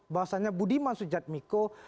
bahwasanya budi masud jadmiko